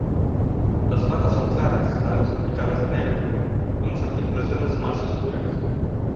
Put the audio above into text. Las patas son claras, algo salpicadas de negro, con las articulaciones más oscuras.